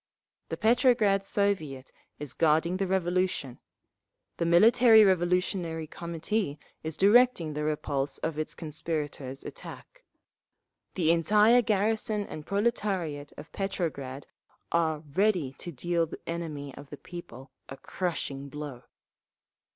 The Petrograd Soviet is guarding the Revolution. The Military Revolutionary Committee is directing the repulse of the conspirators' attack. The entire garrison and proletariat of Petrograd are ready to deal the enemy of the people a crushing blow.